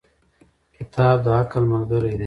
• کتاب د عقل ملګری دی.